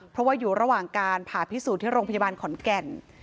เพราะว่าอยู่ระหว่างการผ่าพิสูจน์ที่โรงพยาบาลขอนแก่น